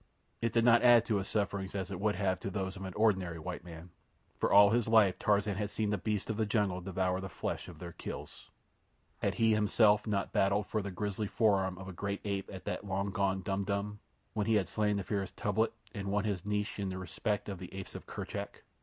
It did not add to his sufferings as it would have to those of an ordinary white man, for all his life Tarzan had seen the beasts of the jungle devour the flesh of their kills. Had he not himself battled for the grisly forearm of a great ape at that long gone Dum Dum, when he had slain the fierce Tublat and won his niche in the respect of the Apes of Kerchak?